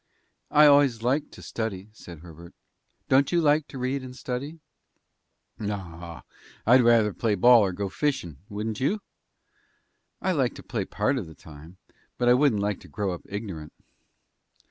"I always liked to study," said Herbert. "Don't you like to read and study?" "No; I'd rather play ball or go fishin', wouldn't you?" "I like to play part of the time, but I wouldn't like to grow up ignorant."